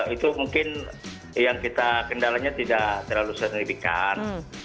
itu mungkin yang kita kendalanya tidak terlalu signifikan